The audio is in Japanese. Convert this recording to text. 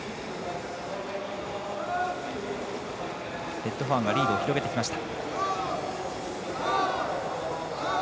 レッドファーンがリードを広げてきました。